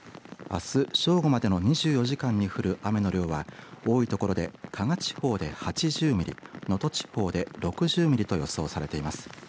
あす、正午までの２４時間に降る雨の量は多い所で加賀地方で８０ミリ能登地方で６０ミリと予想されています。